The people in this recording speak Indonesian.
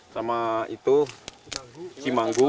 sama itu cimanggu